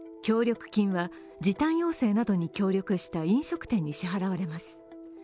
協力金は時短要請などに協力した飲食店に支払われます。